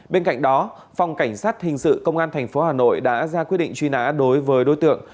bên cạnh đó phòng cảnh sát hình sự công an tp hà nội đã ra quyết định truy nã đối với đối tượng